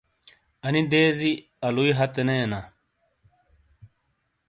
اَنی دیزی الُوئی ہَتے نے اینا۔